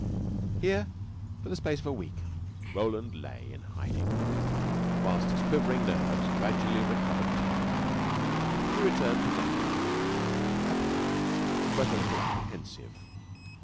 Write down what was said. Here, for the space of a week, Roland lay in hiding, while his quivering nerves gradually recovered tone. He returned to London happier, but a little apprehensive.